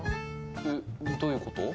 えっどういう事？